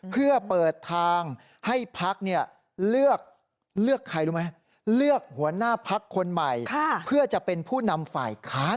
เพื่อเปิดทางให้พักเลือกหัวหน้าพักคนใหม่เพื่อจะเป็นผู้นำฝ่ายค้าน